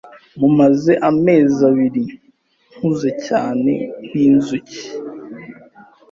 Mumaze amezi abiri mpuze cyane nkinzuki.